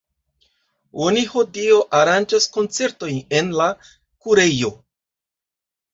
Oni hodiaŭ aranĝas koncertojn en la kurejo.